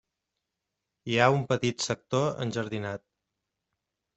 Hi ha un petit sector enjardinat.